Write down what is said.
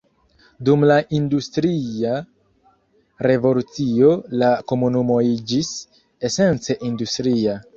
Dum la Industria Revolucio la komunumo iĝis esence industria.